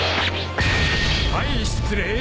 はい失礼。